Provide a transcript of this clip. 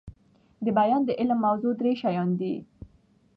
دبیان د علم موضوع درې شيان دي.